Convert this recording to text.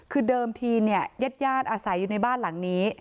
คือเดิมทีเนี่ยญาติอาศัยอยู่ในบ้านหลังนี้